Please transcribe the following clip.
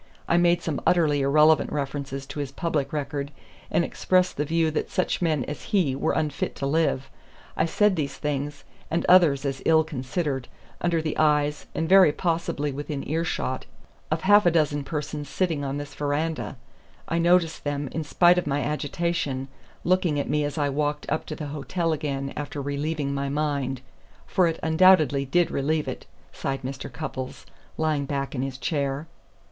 I made some utterly irrelevant references to his public record, and expressed the view that such men as he were unfit to live. I said these things, and others as ill considered, under the eyes, and very possibly within earshot, of half a dozen persons sitting on this veranda. I noticed them, in spite of my agitation, looking at me as I walked up to the hotel again after relieving my mind for it undoubtedly did relieve it," sighed Mr. Cupples, lying back in his chair.